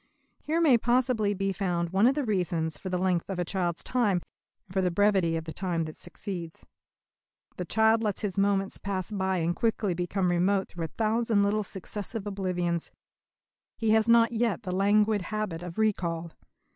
Here may possibly be found one of the reasons for the length of a child's time, and for the brevity of the time that succeeds. The child lets his moments pass by and quickly become remote through a thousand little successive oblivions. He has not yet the languid habit of recall.